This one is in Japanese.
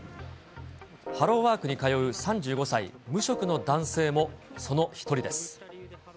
ハローワークに通う３５歳、無職の男性もその一人です。